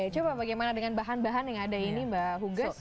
coba bagaimana dengan bahan bahan yang ada ini mbak hugas